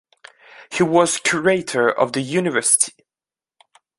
He was curator of the university.